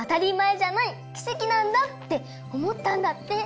きせきなんだ」っておもったんだって。